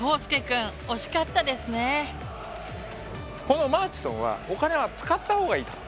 このマーチソンはお金は使ったほうがいいと。